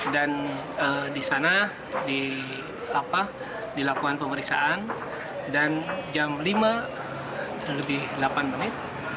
dan di sana dilakukan pemeriksaan dan jam lima lebih delapan menit